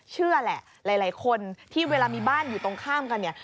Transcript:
เชื่อแหละหลายคนที่เวลามีบ้านอยู่ตรงข้ามกันเนี่ย